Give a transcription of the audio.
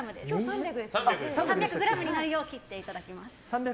３００ｇになるよう切っていただきます。